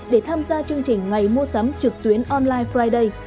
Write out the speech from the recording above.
để tham gia chương trình ngày mua sắm trực tuyến online friday